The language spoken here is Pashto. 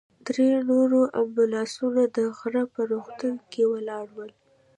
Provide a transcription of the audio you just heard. درې نور امبولانسونه د غره په روغتون کې ولاړ ول.